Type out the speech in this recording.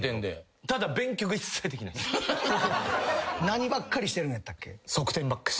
何ばっかりしてるんやったっけ？